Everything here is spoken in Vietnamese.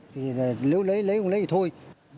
thì lấy không lấy thì thôi